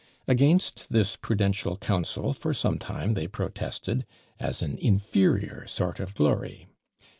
Against this prudential counsel for some time they protested, as an inferior sort of glory.